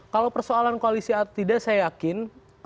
kalau persoalan koalisi atau tidak saya yakin